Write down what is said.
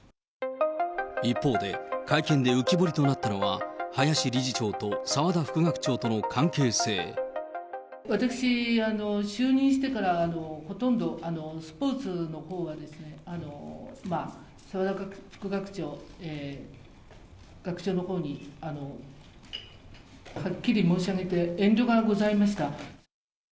一方で、会見で浮き彫りとなったのは、私、就任してから、ほとんどスポーツのほうはですね、澤田副学長、学長のほうにはっきり申し上げて、遠慮がございました。